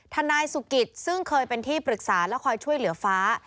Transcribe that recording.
นายสุกิตซึ่งเคยเป็นที่ปรึกษาและคอยช่วยเหลือฟ้า